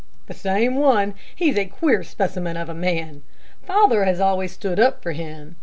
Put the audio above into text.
"The same one. He's a queer specimen of a man. Father has always stood up for him.